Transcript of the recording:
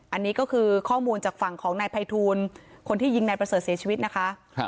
อันนี้ก็คือข้อมูลจากฝั่งของนายภัยทูลคนที่ยิงนายประเสริฐเสียชีวิตนะคะ